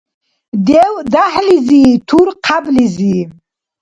Дев–дяхӀлизи, тур–хъяблизи.